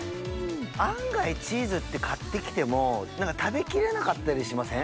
案外チーズって買ってきても食べきれなかったりしません？